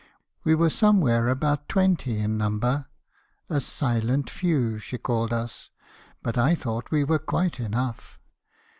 We were somewhere about twenty in number; a l silent few,' she called us; but I thought we were quite enough.